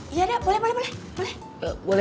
iya dah boleh boleh boleh